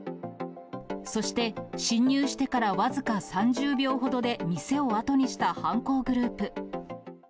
そして、侵入してから僅か３０秒ほどで店を後にした犯行グループ。